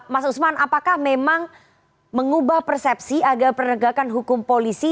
mas usman apakah memang mengubah persepsi agar penegakan hukum polisi